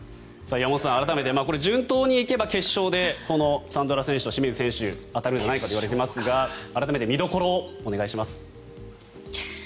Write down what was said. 岩本さん順当に行けば決勝でサンドラ選手と清水選手が当たるんじゃないかといわれていますが改めて見どころをお願いします。